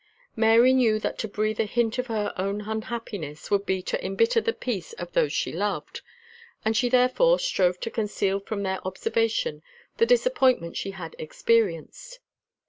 Mary knew that to breathe a hint of her own unhappiness would be to embitter the peace of those she loved; and she therefore strove to conceal from their observation the disappointment she had experienced.